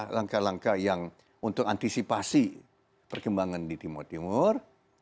langkah langkah yang untuk antisipasi perkembangan di timur timur